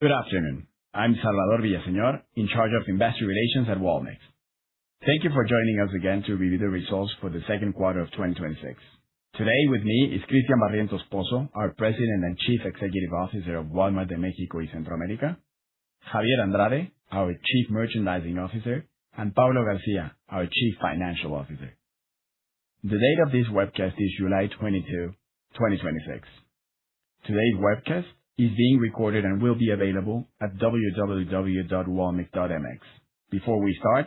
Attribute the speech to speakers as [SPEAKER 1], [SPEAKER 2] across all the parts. [SPEAKER 1] Good afternoon. I'm Salvador Villaseñor, in charge of Investor Relations at Walmex. Thank you for joining us again to review the results for the second quarter of 2026. Today with me is Cristian Barrientos Pozo, our President and Chief Executive Officer of Walmart de México y Centroamérica, Javier Andrade, our Chief Merchandising Officer, and Paulo Garcia, our Chief Financial Officer. The date of this webcast is July 22, 2026. Today's webcast is being recorded and will be available at www.walmex.mx. Before we start,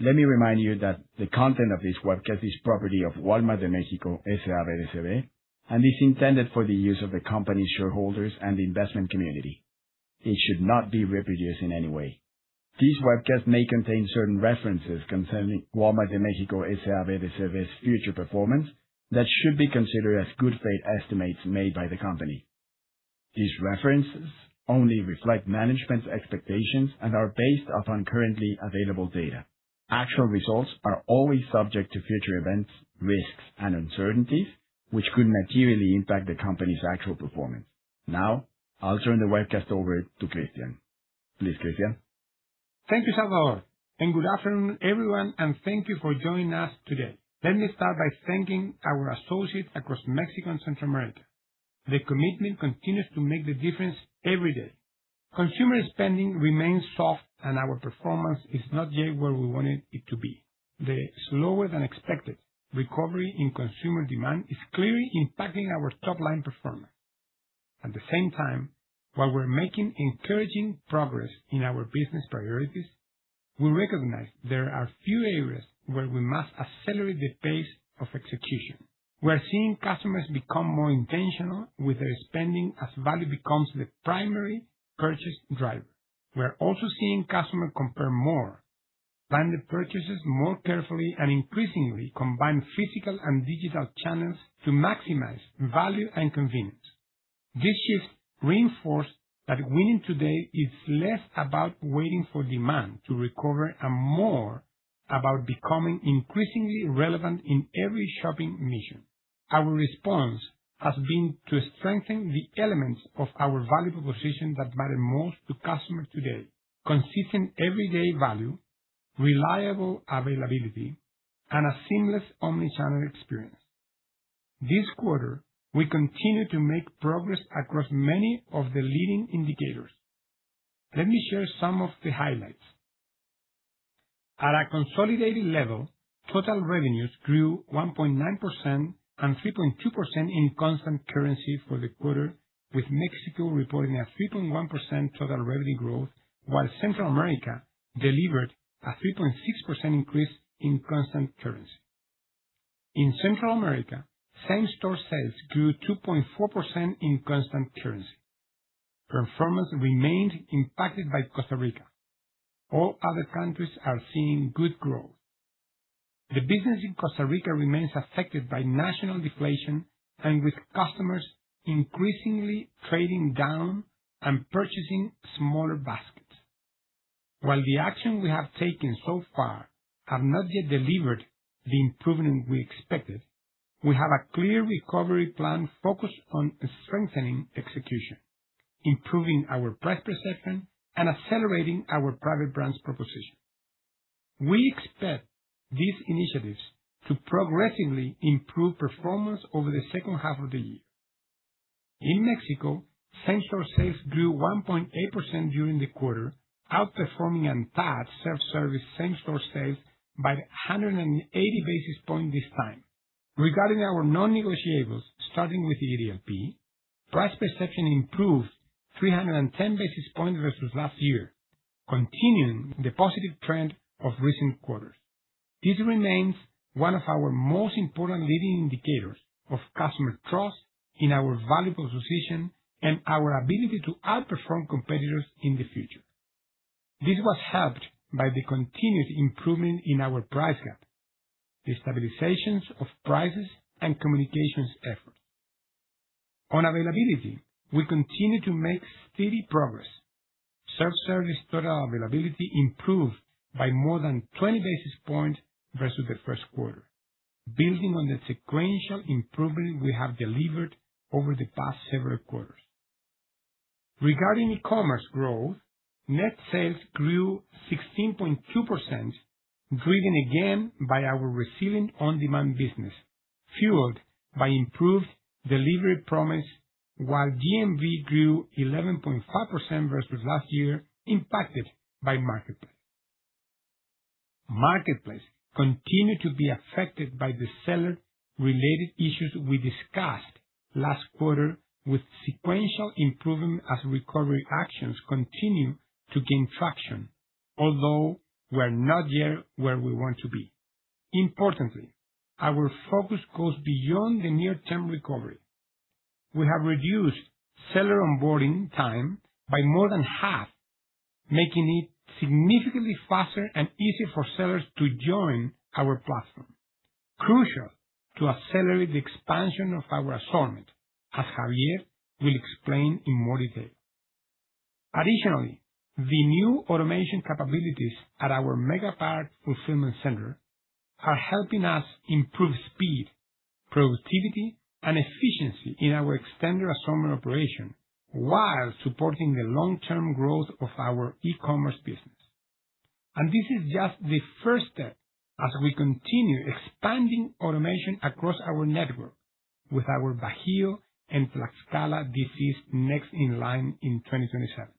[SPEAKER 1] let me remind you that the content of this webcast is property of Walmart de México, S.A.B de C.V., and is intended for the use of the company's shareholders and the investment community. It should not be reproduced in any way. This webcast may contain certain references concerning Walmart de México, S.A.B de C.V.'s future performance that should be considered as good faith estimates made by the company. These references only reflect management's expectations and are based upon currently available data. Actual results are always subject to future events, risks, and uncertainties, which could materially impact the company's actual performance. Now, I'll turn the webcast over to Cristian. Please, Cristian.
[SPEAKER 2] Thank you, Salvador, and good afternoon, everyone, and thank you for joining us today. Let me start by thanking our associates across Mexico and Central America. The commitment continues to make the difference every day. Consumer spending remains soft, and our performance is not yet where we want it to be. The slower than expected recovery in consumer demand is clearly impacting our top-line performance. At the same time, while we're making encouraging progress in our business priorities, we recognize there are few areas where we must accelerate the pace of execution. We are seeing customers become more intentional with their spending as value becomes the primary purchase driver. We're also seeing customer compare more, plan their purchases more carefully, and increasingly combine physical and digital channels to maximize value and convenience. This shift reinforce that winning today is less about waiting for demand to recover and more about becoming increasingly relevant in every shopping mission. Our response has been to strengthen the elements of our value proposition that matter most to customer today: consistent everyday value, reliable availability, and a seamless omnichannel experience. This quarter, we continue to make progress across many of the leading indicators. Let me share some of the highlights. At a consolidated level, total revenues grew 1.9% and 3.2% in constant currency for the quarter, with Mexico reporting a 3.1% total revenue growth while Central America delivered a 3.6% increase in constant currency. In Central America, same-store sales grew 2.4% in constant currency. Performance remained impacted by Costa Rica. All other countries are seeing good growth. The business in Costa Rica remains affected by national deflation and with customers increasingly trading down and purchasing smaller baskets. While the action we have taken so far have not yet delivered the improvement we expected, we have a clear recovery plan focused on strengthening execution, improving our price perception, and accelerating our private brands proposition. We expect these initiatives to progressively improve performance over the second half of the year. In Mexico, same-store sales grew 1.8% during the quarter, outperforming ANTAD self-service same-store sales by 180 basis points this time. Regarding our non-negotiables, starting with EDLP, price perception improved 310 basis points versus last year, continuing the positive trend of recent quarters. This remains one of our most important leading indicators of customer trust in our valuable position and our ability to outperform competitors in the future. This was helped by the continued improvement in our price gap, the stabilizations of prices, and communications efforts. On availability, we continue to make steady progress. Self-service total availability improved by more than 20 basis points versus the first quarter, building on the sequential improvement we have delivered over the past several quarters. Regarding eCommerce growth, net sales grew 16.2%, driven again by our resilient on-demand business, fueled by improved delivery promise while GMV grew 11.5% versus last year, impacted by Marketplace. Marketplace continued to be affected by the seller-related issues we discussed last quarter with sequential improvement as recovery actions continue to gain traction, although we're not yet where we want to be. Importantly, our focus goes beyond the near-term recovery. We have reduced seller onboarding time by more than half, making it significantly faster and easier for sellers to join our platform, crucial to accelerate the expansion of our assortment, as Javier will explain in more detail. Additionally, the new automation capabilities at our Megapark fulfillment center are helping us improve speed, productivity, and efficiency in our extended assortment operation while supporting the long-term growth of our eCommerce business. This is just the first step as we continue expanding automation across our network with our Bajío and Tlaxcala DCs next in line in 2027.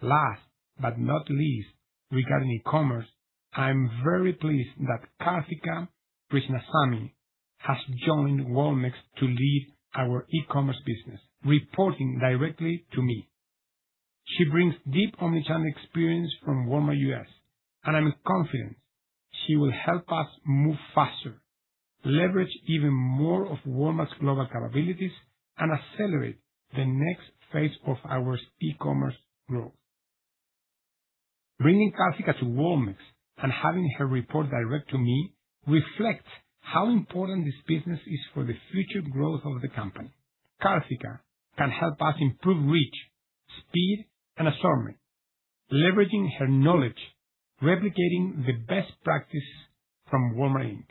[SPEAKER 2] Last but not least, regarding eCommerce, I'm very pleased that Karthicka Krishnasamy has joined Walmex to lead our eCommerce business, reporting directly to me. She brings deep omnichannel experience from Walmart U.S., I'm confident she will help us move faster, leverage even more of Walmart's global capabilities, and accelerate the next phase of our eCommerce growth. Bringing Karthicka to Walmex and having her report directly to me reflects how important this business is for the future growth of the company. Karthicka can help us improve reach, speed, and assortment, leveraging her knowledge, replicating the best practice from Walmart Inc.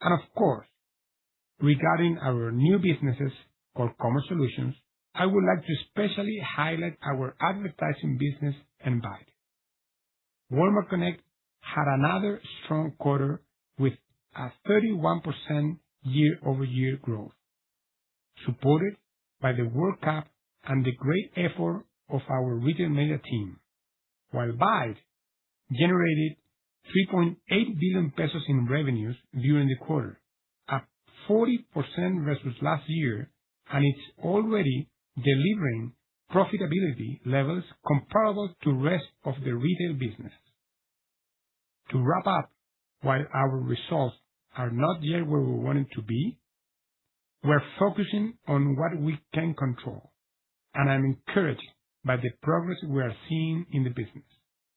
[SPEAKER 2] And of course, regarding our new businesses, called Commerce Solutions, I would like to specially highlight our advertising business and Bait. Walmart Connect had another strong quarter with a 31% year-over-year growth, supported by the World Cup and the great effort of our retail media team. While Bait generated 3.8 billion pesos in revenues during the quarter, up 40% versus last year, it's already delivering profitability levels comparable to rest of the retail business. To wrap up, while our results are not yet where we want it to be, we're focusing on what we can control, I'm encouraged by the progress we are seeing in the business.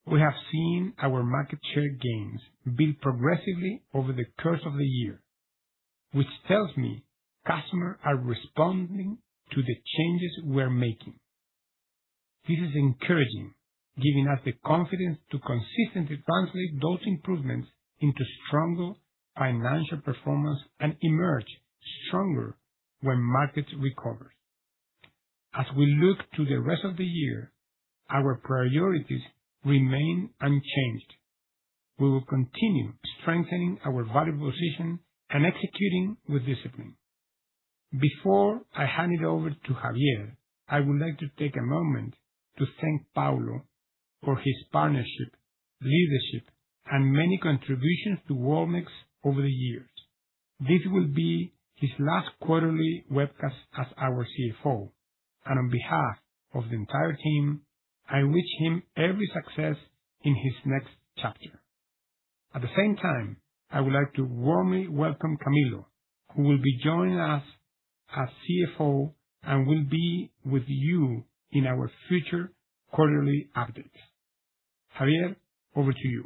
[SPEAKER 2] We have seen our market share gains build progressively over the course of the year, which tells me customers are responding to the changes we're making. This is encouraging, giving us the confidence to consistently translate those improvements into stronger financial performance and emerge stronger when market recovers. As we look to the rest of the year, our priorities remain unchanged. We will continue strengthening our value position and executing with discipline. Before I hand it over to Javier, I would like to take a moment to thank Paulo for his partnership, leadership, and many contributions to Walmex over the years. This will be his last quarterly webcast as our CFO. On behalf of the entire team, I wish him every success in his next chapter. At the same time, I would like to warmly welcome Camilo, who will be joining us as CFO and will be with you in our future quarterly updates. Javier, over to you.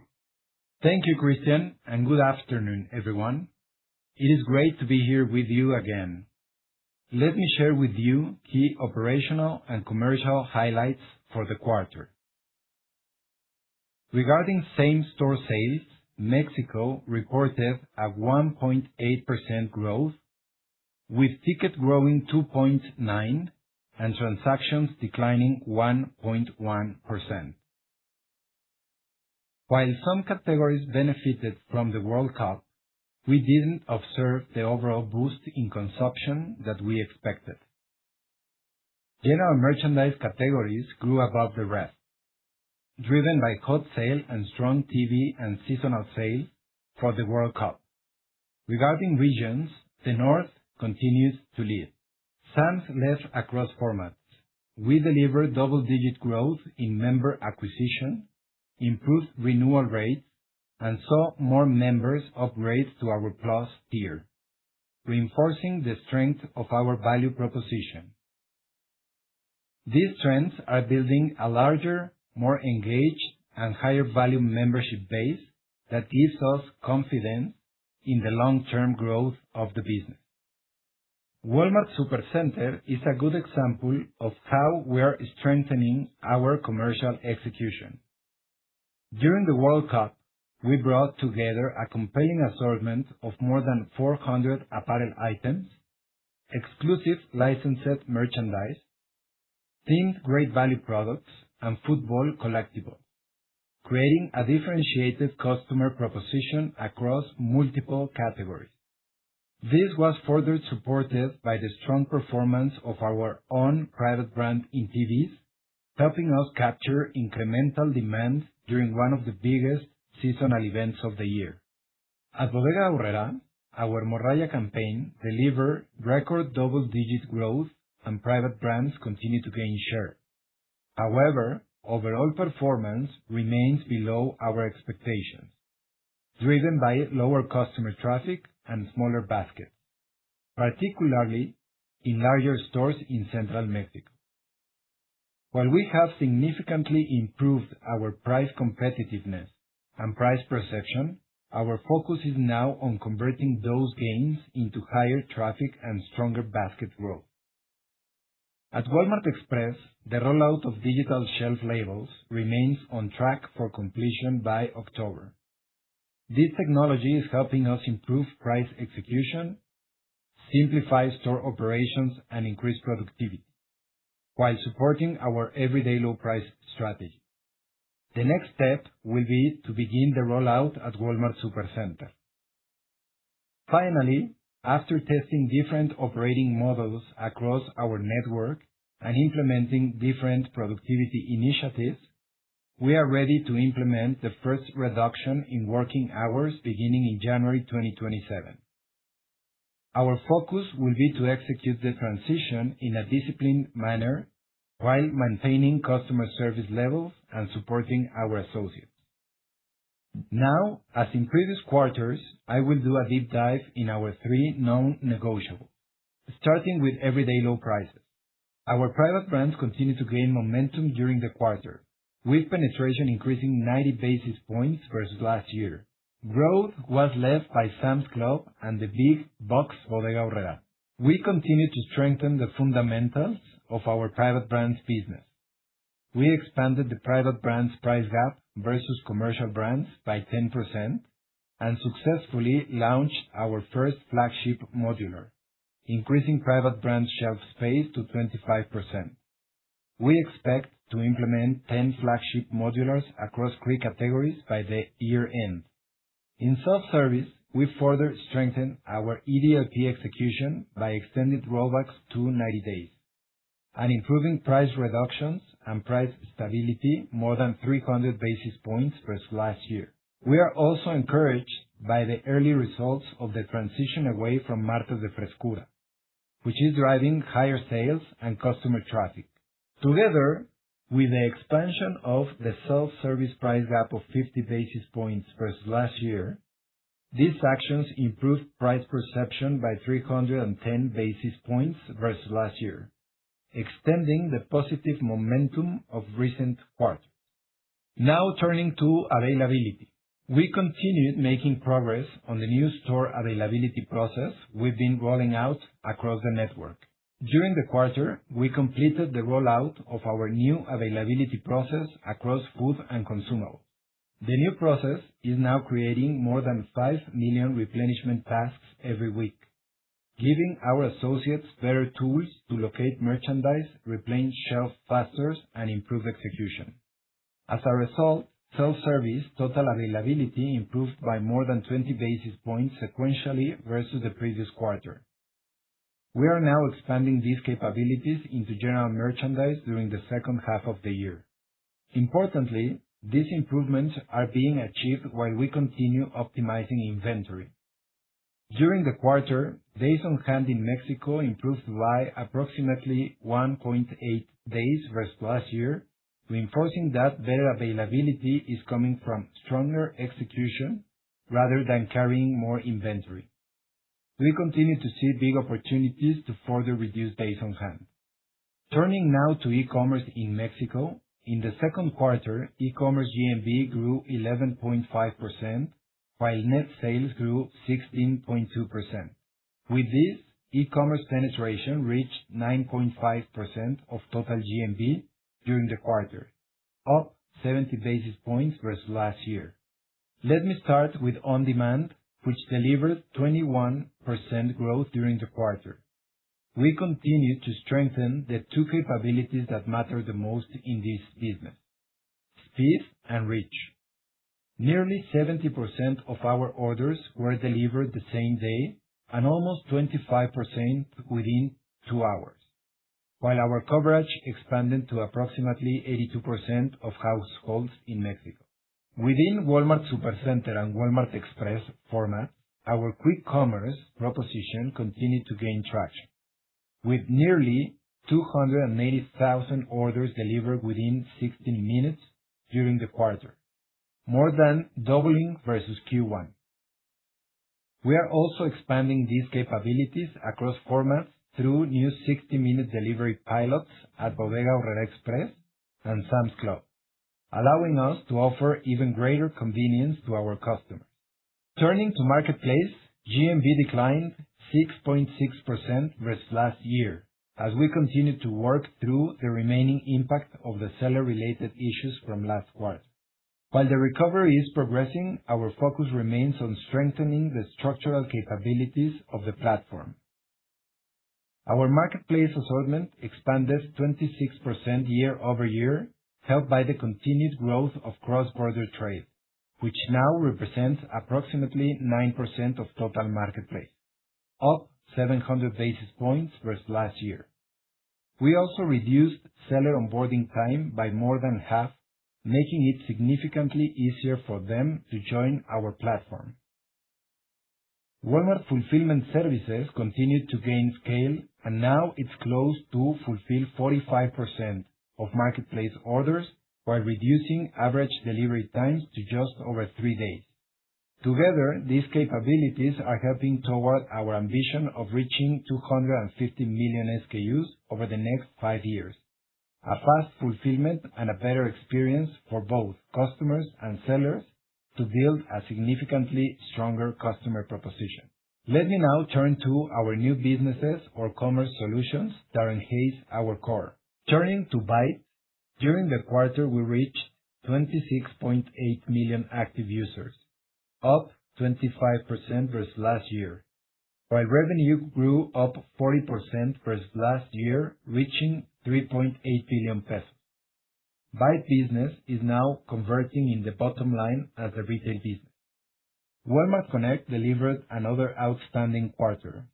[SPEAKER 3] Thank you, Cristian, and good afternoon, everyone. It is great to be here with you again. Let me share with you key operational and commercial highlights for the quarter. Regarding same-store sales, Mexico reported a 1.8% growth, with ticket growing 2.9% and transactions declining 1.1%. While some categories benefited from the World Cup, we didn't observe the overall boost in consumption that we expected. General merchandise categories grew above the rest, driven by cold sale and strong TV and seasonal sale for the World Cup. Regarding regions, the North continues to lead. Sam's Club across formats. We delivered double-digit growth in member acquisition, improved renewal rates, and saw more members upgrade to our Plus tier, reinforcing the strength of our value proposition. These trends are building a larger, more engaged, and higher value membership base that gives us confidence in the long-term growth of the business. Walmart Supercenter is a good example of how we are strengthening our commercial execution. During the World Cup, we brought together a compelling assortment of more than 400 apparel items, exclusive licensed merchandise, themed Great Value products, and football collectibles, creating a differentiated customer proposition across multiple categories. This was further supported by the strong performance of our own private brand in TVs, helping us capture incremental demands during one of the biggest seasonal events of the year. At Bodega Aurrerá, our Morralla campaign delivered record double-digit growth, and private brands continue to gain share. However, overall performance remains below our expectations, driven by lower customer traffic and smaller baskets, particularly in larger stores in central Mexico. While we have significantly improved our price competitiveness and price perception, our focus is now on converting those gains into higher traffic and stronger basket growth. At Walmart Express, the rollout of digital shelf labels remains on track for completion by October. This technology is helping us improve price execution, simplify store operations, and increase productivity while supporting our everyday low price strategy. The next step will be to begin the rollout at Walmart Supercenter. Finally, after testing different operating models across our network and implementing different productivity initiatives, we are ready to implement the first reduction in working hours beginning in January 2027. Our focus will be to execute the transition in a disciplined manner while maintaining customer service levels and supporting our associates. Now as in previous quarters, I will do a deep dive in our three known negotiables, starting with everyday low prices. Our private brands continued to gain momentum during the quarter, with penetration increasing 90 basis points versus last year. Growth was led by Sam's Club and the big box Bodega Aurrerá. We continue to strengthen the fundamentals of our private brands business. We expanded the private brands price gap versus commercial brands by 10% and successfully launched our first flagship modular, increasing private brand shelf space to 25%. We expect to implement 10 flagship modulars across three categories by the year-end. In self-service, we further strengthened our EDLP execution by extending Rollbacks to 90 days and improving price reductions and price stability more than 300 basis points versus last year. We are also encouraged by the early results of the transition away from Martes de Frescura, which is driving higher sales and customer traffic. Together with the expansion of the self-service price gap of 50 basis points versus last year, these actions improved price perception by 310 basis points versus last year, extending the positive momentum of recent quarters. Now turning to availability. We continued making progress on the new store availability process we've been rolling out across the network. During the quarter, we completed the rollout of our new availability process across food and consumo. The new process is now creating more than five million replenishment tasks every week, giving our associates better tools to locate merchandise, replenish shelves faster, and improve execution. As a result, self-service total availability improved by more than 20 basis points sequentially versus the previous quarter. We are now expanding these capabilities into general merchandise during the second half of the year. Importantly, these improvements are being achieved while we continue optimizing inventory. During the quarter, days on hand in Mexico improved by approximately 1.8 days versus last year, reinforcing that better availability is coming from stronger execution rather than carrying more inventory. We continue to see big opportunities to further reduce days on hand. Turning to eCommerce in Mexico. In the second quarter, eCommerce GMV grew 11.5%, while net sales grew 16.2%. With this, eCommerce penetration reached 9.5% of total GMV during the quarter, up 70 basis points versus last year. Let me start with On Demand, which delivered 21% growth during the quarter. We continued to strengthen the two capabilities that matter the most in this business, speed and reach. Nearly 70% of our orders were delivered the same day and almost 25% within two hours. While our coverage expanded to approximately 82% of households in Mexico. Within Walmart Supercenter and Walmart Express format, our quick commerce proposition continued to gain traction with nearly 280,000 orders delivered within 60 minutes during the quarter, more than doubling versus Q1. We are also expanding these capabilities across formats through new 60-minute delivery pilots at Bodega Aurrerá Express and Sam's Club, allowing us to offer even greater convenience to our customers. Turning to Marketplace, GMV declined 6.6% versus last year as we continued to work through the remaining impact of the seller-related issues from last quarter. While the recovery is progressing, our focus remains on strengthening the structural capabilities of the platform. Our Marketplace assortment expanded 26% year-over-year, helped by the continued growth of cross-border trade, which now represents approximately 9% of total Marketplace, up 700 basis points versus last year. We also reduced seller onboarding time by more than half, making it significantly easier for them to join our platform. Walmart Fulfillment Services continued to gain scale and now is close to fulfilling 45% of Marketplace orders while reducing average delivery times to just over three days. Together, these capabilities are helping toward our ambition of reaching 250 million SKUs over the next five years. A fast fulfillment and a better experience for both customers and sellers to build a significantly stronger customer proposition. Let me now turn to our new businesses or Commerce Solutions that enhance our core. Turning to Bait, during the quarter, we reached 26.8 million active users, up 25% versus last year. While revenue grew up 40% versus last year, reaching 3.8 billion pesos. Bait business is now converting in the bottom line as a retail business. Walmart Connect delivered another outstanding quarter,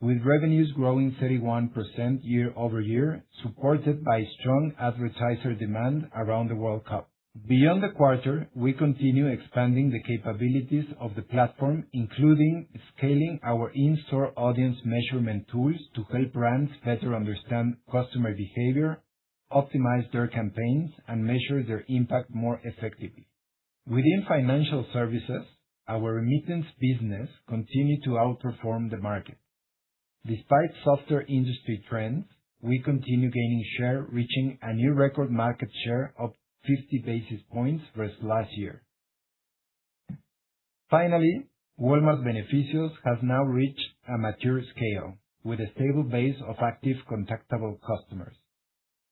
[SPEAKER 3] with revenues growing 31% year-over-year, supported by strong advertiser demand around the World Cup. Beyond the quarter, we continue expanding the capabilities of the platform, including scaling our in-store audience measurement tools to help brands better understand customer behavior, optimize their campaigns, and measure their impact more effectively. Within Financial Services, our remittance business continued to outperform the market. Despite softer industry trends, we continue gaining share, reaching a new record market share of 50 basis points versus last year. Finally, Walmart Beneficios has now reached a mature scale with a stable base of active contactable customers.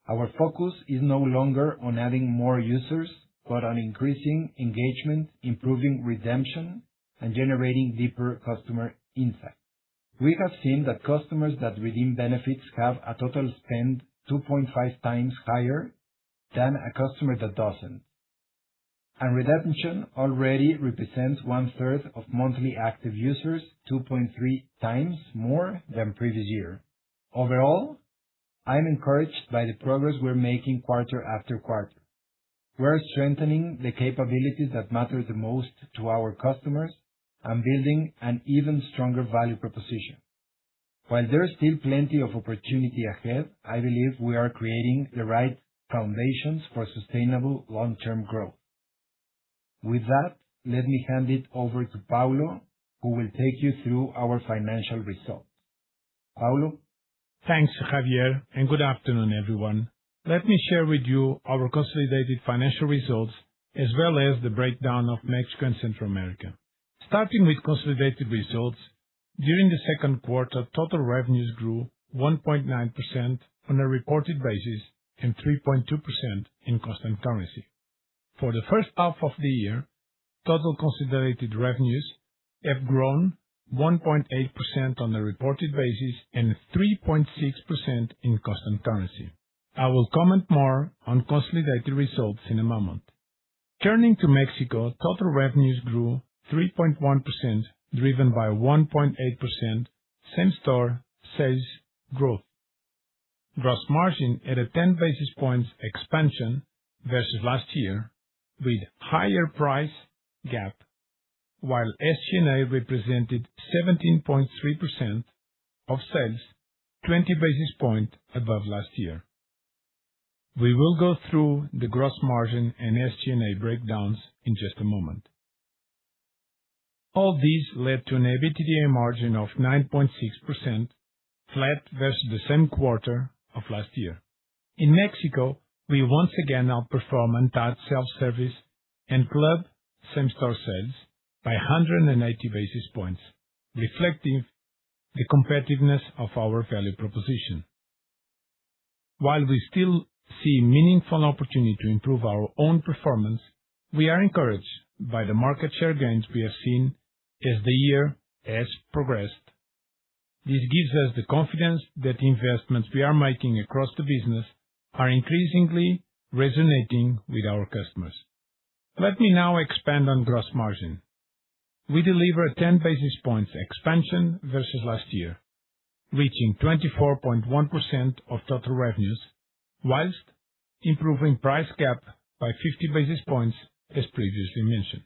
[SPEAKER 3] Our focus is no longer on adding more users, but on increasing engagement, improving redemption, and generating deeper customer insight. We have seen that customers that redeem benefits have a total spend 2.5x higher than a customer that doesn't. Redemption already represents 1/3 of monthly active users, 2.3x more than previous year. Overall, I'm encouraged by the progress we're making quarter after quarter. We're strengthening the capabilities that matter the most to our customers and building an even stronger value proposition. While there is still plenty of opportunity ahead, I believe we are creating the right foundations for sustainable long-term growth. With that, let me hand it over to Paulo, who will take you through our financial results. Paulo?
[SPEAKER 4] Thanks, Javier, good afternoon, everyone. Let me share with you our consolidated financial results, as well as the breakdown of Mexico and Central America. Starting with consolidated results, during the second quarter, total revenues grew 1.9% on a reported basis and 3.2% in constant currency. For the first half of the year, total consolidated revenues have grown 1.8% on a reported basis and 3.6% in constant currency. I will comment more on consolidated results in a moment. Turning to Mexico, total revenues grew 3.1%, driven by 1.8% same-store sales growth. Gross margin at a 10 basis points expansion versus last year, with higher price gap, while SG&A represented 17.3% of sales, 20 basis points above last year. We will go through the gross margin and SG&A breakdowns in just a moment. All this led to an EBITDA margin of 9.6%, flat versus the same quarter of last year. In Mexico, we once again outperformed ANTAD self-service and club same-store sales by 180 basis points, reflecting the competitiveness of our value proposition. While we still see meaningful opportunity to improve our own performance, we are encouraged by the market share gains we have seen as the year has progressed. This gives us the confidence that the investments we are making across the business are increasingly resonating with our customers. Let me now expand on gross margin. We deliver a 10 basis points expansion versus last year, reaching 24.1% of total revenues, whilst improving price gap by 50 basis points, as previously mentioned.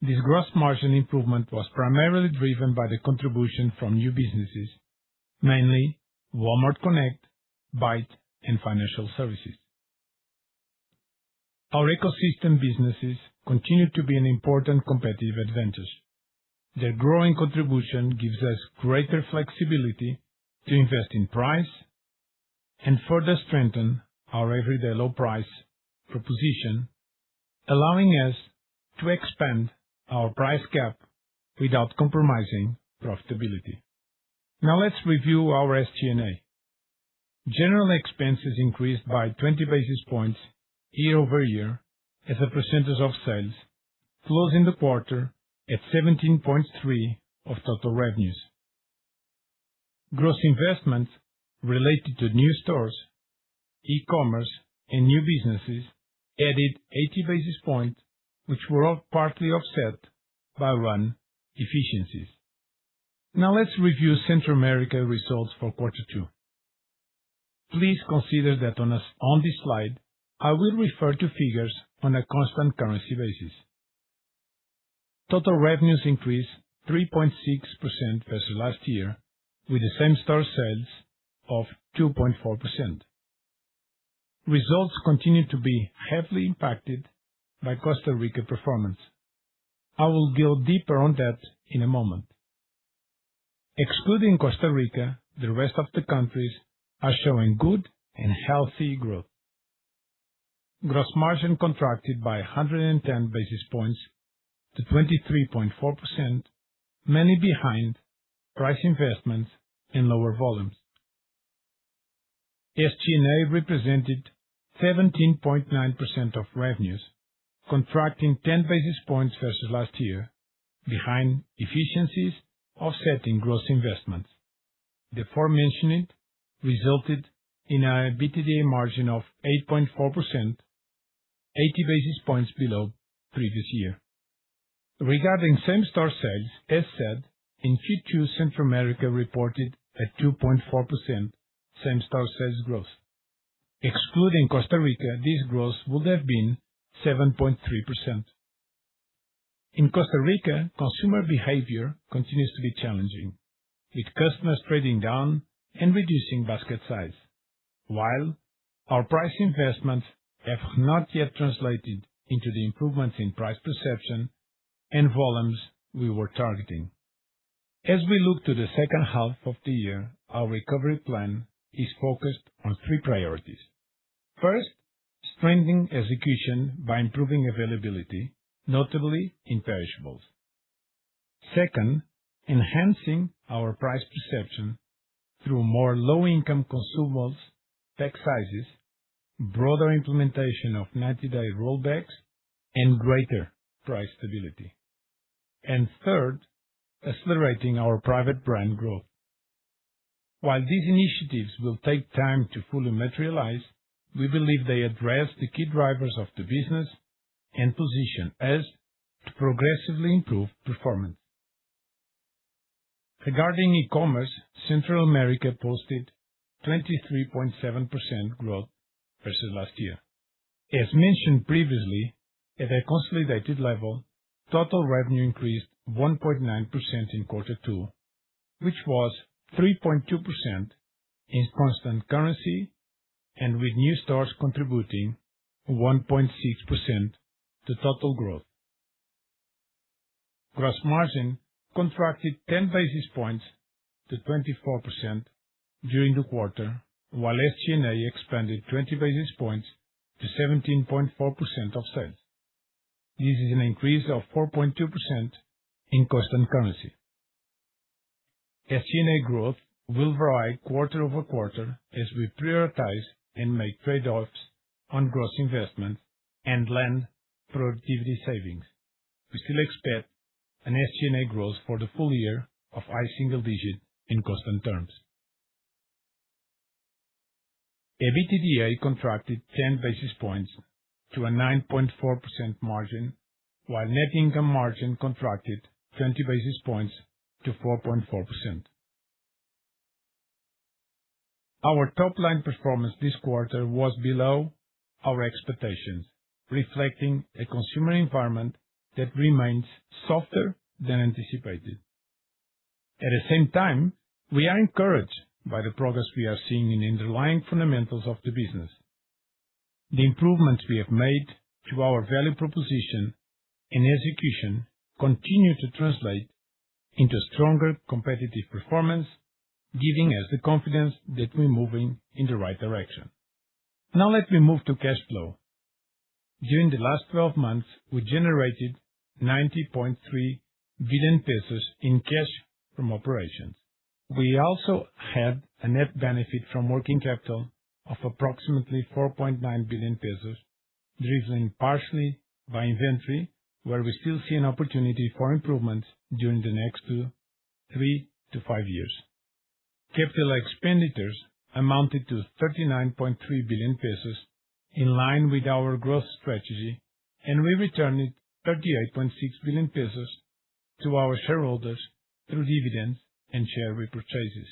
[SPEAKER 4] This gross margin improvement was primarily driven by the contribution from new businesses, mainly Walmart Connect, Bait, and Financial Services. Our ecosystem businesses continue to be an important competitive advantage. Their growing contribution gives us greater flexibility to invest in price and further strengthen our everyday low price proposition, allowing us to expand our price gap without compromising profitability. Let's review our SG&A. General expenses increased by 20 basis points year-over-year as a percentage of sales, closing the quarter at 17.3% of total revenues. Gross investments related to new stores, eCommerce, and new businesses added 80 basis points, which were partly offset by one, efficiencies. Let's review Central America results for quarter two. Please consider that on this slide, I will refer to figures on a constant currency basis. Total revenues increased 3.6% versus last year, with the same-store sales of 2.4%. Results continue to be heavily impacted by Costa Rica performance. I will go deeper on that in a moment. Excluding Costa Rica, the rest of the countries are showing good and healthy growth. Gross margin contracted by 110 basis points to 23.4%, mainly behind price investments and lower volumes. SG&A represented 17.9% of revenues, contracting 10 basis points versus last year, behind efficiencies offsetting gross investments. The aforementioned resulted in an EBITDA margin of 8.4%, 80 basis points below previous year. Regarding same-store sales, as said, in Q2, Central America reported a 2.4% same-store sales growth. Excluding Costa Rica, this growth would have been 7.3%. In Costa Rica, consumer behavior continues to be challenging, with customers trading down and reducing basket size. While our price investments have not yet translated into the improvements in price perception and volumes we were targeting. As we look to the second half of the year, our recovery plan is focused on three priorities. First, strengthening execution by improving availability, notably in perishables. Second, enhancing our price perception through more low-income consumables, pack sizes, broader implementation of 90-day Rollbacks, and greater price stability. Third, accelerating our private brands growth. While these initiatives will take time to fully materialize, we believe they address the key drivers of the business and position us to progressively improve performance. Regarding eCommerce, Central America posted 23.7% growth versus last year. As mentioned previously, at a consolidated level, total revenue increased 1.9% in quarter two, which was 3.2% in constant currency and with new stores contributing 1.6% to total growth. Gross margin contracted 10 basis points to 24% during the quarter, while SG&A expanded 20 basis points to 17.4% of sales. This is an increase of 4.2% in constant currency. SG&A growth will vary quarter-over-quarter as we prioritize and make trade-offs on gross investment and land productivity savings. We still expect an SG&A growth for the full year of high single digit in constant terms. EBITDA contracted 10 basis points to a 9.4% margin, while net income margin contracted 20 basis points to 4.4%. Our top-line performance this quarter was below our expectations, reflecting a consumer environment that remains softer than anticipated. At the same time, we are encouraged by the progress we are seeing in the underlying fundamentals of the business. The improvements we have made to our value proposition and execution continue to translate into a stronger competitive performance, giving us the confidence that we are moving in the right direction. Now let me move to cash flow. During the last 12 months, we generated 90.3 billion pesos in cash from operations. We also had a net benefit from working capital of approximately 4.9 billion pesos, driven partially by inventory, where we still see an opportunity for improvements during the next three to five years. Capital expenditures amounted to 39.3 billion pesos, in line with our growth strategy, and we returned 38.6 billion pesos to our shareholders through dividends and share repurchases.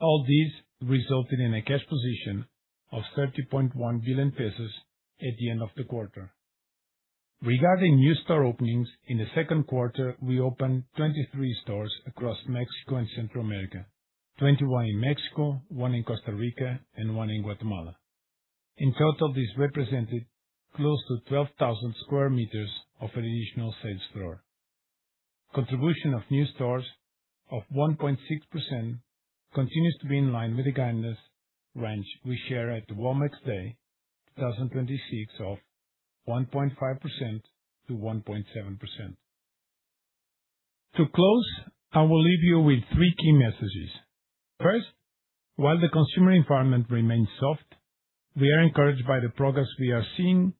[SPEAKER 4] All this resulted in a cash position of 30.1 billion pesos at the end of the quarter. Regarding new store openings, in the second quarter, we opened 23 stores across Mexico and Central America, 21 in Mexico, one in Costa Rica, and one in Guatemala. In total, this represented close to 12,000 sq m of additional sales store. Contribution of new stores of 1.6% continues to be in line with the guidance range we share at the Walmex Day 2026 of 1.5%-1.7%. To close, I will leave you with three key messages. First, while the consumer environment remains soft, we are encouraged by the progress we are seeing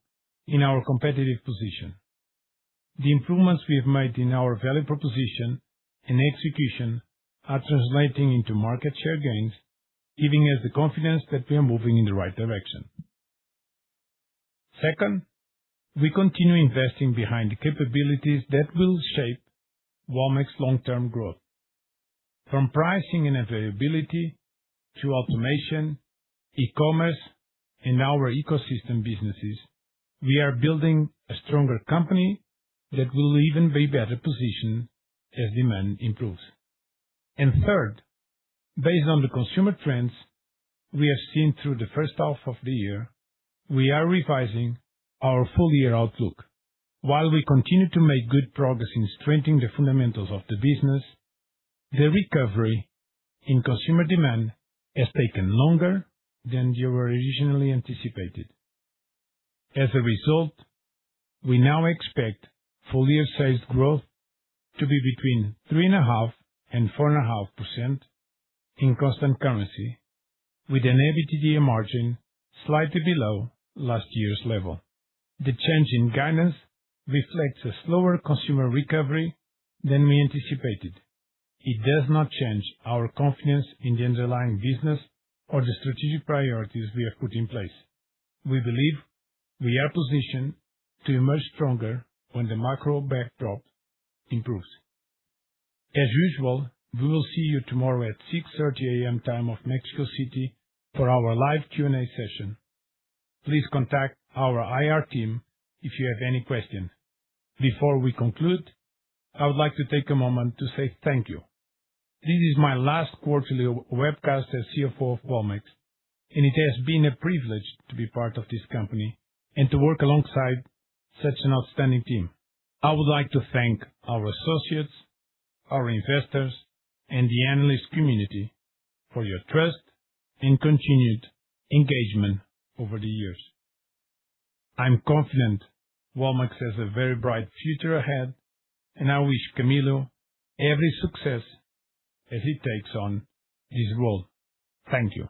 [SPEAKER 4] in our competitive position. The improvements we have made in our value proposition and execution are translating into market share gains, giving us the confidence that we are moving in the right direction. Second, we continue investing behind the capabilities that will shape Walmex's long-term growth. From pricing and availability to automation, eCommerce, and our ecosystem businesses, we are building a stronger company that will even be better positioned as demand improves. Third, based on the consumer trends we have seen through the first half of the year, we are revising our full year outlook. While we continue to make good progress in strengthening the fundamentals of the business, the recovery in consumer demand has taken longer than we originally anticipated. As a result, we now expect full year sales growth to be between 3.5% and 4.5% in constant currency, with an EBITDA margin slightly below last year's level. The change in guidance reflects a slower consumer recovery than we anticipated. It does not change our confidence in the underlying business or the strategic priorities we have put in place. We believe we are positioned to emerge stronger when the macro backdrop improves. As usual, we will see you tomorrow at 6:30 A.M. time of Mexico City for our live Q&A session. Please contact our IR team if you have any questions. Before we conclude, I would like to take a moment to say thank you. This is my last quarterly webcast as CFO of Walmex, and it has been a privilege to be part of this company and to work alongside such an outstanding team. I would like to thank our associates, our investors, and the analyst community for your trust and continued engagement over the years. I'm confident Walmex has a very bright future ahead, and I wish Camilo every success as he takes on this role. Thank you